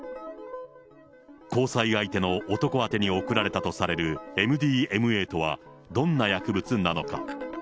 交際相手の男宛てに送られたとされるＭＤＭＡとは、どんな薬物なのか。